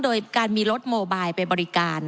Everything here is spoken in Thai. โดยการมีรถโมบายไปบริการ